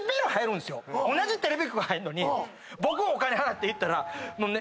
同じテレビ局入るのに僕お金払っていったら。